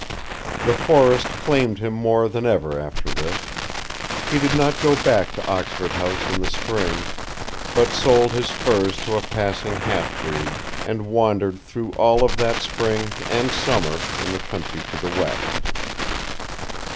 The forest claimed him more than ever after this. He did not go back to Oxford House in the spring but sold his furs to a passing half breed, and wandered through all of that spring and summer in the country to the west.